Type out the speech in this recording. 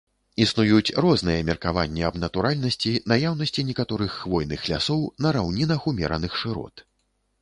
Існуюць розныя меркаванні аб натуральнасці наяўнасці некаторых хвойных лясоў на раўнінах ўмераных шырот.